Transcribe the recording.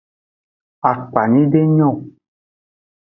Akpanyi de nyo o.